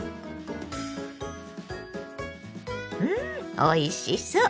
うんおいしそう！